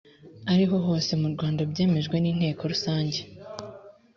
ariho hose mu rwanda byemejwe n inteko rusange